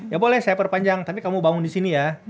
ya boleh saya perpanjang tapi kamu bangun di sini ya